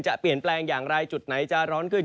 เปลี่ยนแปลงอย่างไรจุดไหนจะร้อนขึ้น